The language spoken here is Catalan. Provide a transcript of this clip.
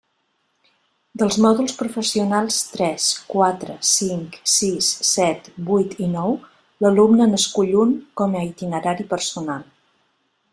Dels mòduls professionals tres, quatre, cinc, sis, set, vuit i nou l'alumne n'escull un com a itinerari personal.